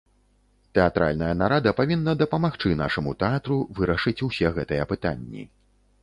Тэатральная нарада павінна дапамагчы нашаму тэатру вырашыць усе гэтыя пытанні.